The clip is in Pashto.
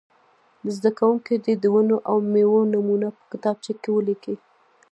زده کوونکي دې د ونو او مېوو نومونه په کتابچه کې ولیکي.